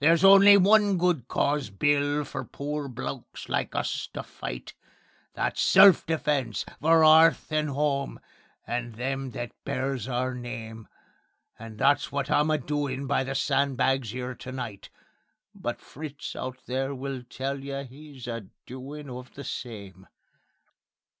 There's only one good cause, Bill, for poor blokes like us to fight: That's self defence, for 'earth and 'ome, and them that bears our name; And that's wot I'm a doin' by the sandbags 'ere to night. ... But Fritz out there will tell you 'e's a doin' of the same.